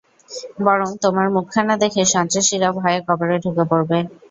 বরং তোমার মুখখানা দেখে, সন্ত্রাসীরা ভয়ে কবরে ঢুকে পড়বে।